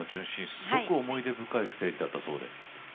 すごく思い出深いステージだったそうで。